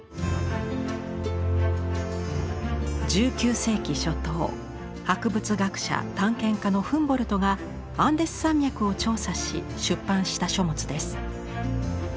１９世紀初頭博物学者探検家のフンボルトがアンデス山脈を調査し出版した書物です。